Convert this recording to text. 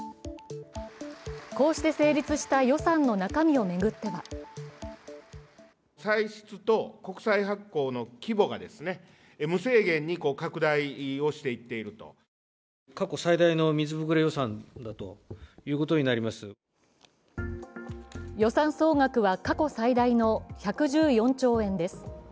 こうして成立した予算の中身を巡っては予算総額は過去最大の１１４兆円です。